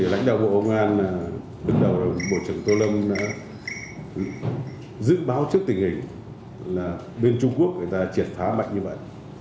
lãnh đạo bộ công an bước đầu bộ trưởng tô lâm đã dự báo trước tình hình là bên trung quốc người ta triệt phá mạnh như vậy